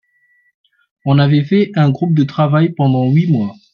On avait fait un groupe de travail pendant huit mois.